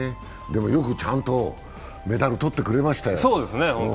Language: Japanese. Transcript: でも、よくちゃんとメダル取ってくれましたよね。